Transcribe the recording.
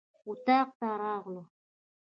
اطاق ته راغلو.